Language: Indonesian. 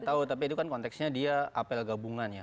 tahu tapi itu kan konteksnya dia apel gabungan ya